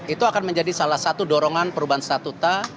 itu akan menjadi salah satu dorongan perubahan statuta